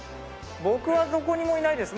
僕はどこにもいないです。